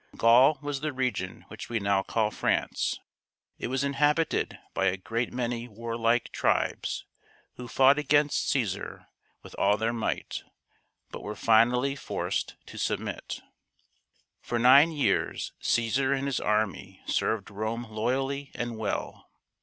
Gaul was the region which we now call France. It was in habited by a great many warlike tribes who fought against Cassar with all their might but were finally forced to submit. For nine years Caesar and his army served Rome loyally and well.